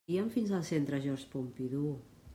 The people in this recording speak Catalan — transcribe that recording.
Guia'm fins al centre George Pompidou!